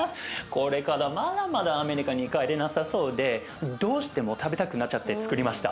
これからまだまだアメリカに帰れなさそうでどうしても食べたくなっちゃってつくりました。